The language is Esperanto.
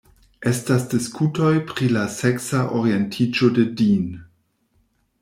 Estas diskutoj pri la seksa orientiĝo de Dean.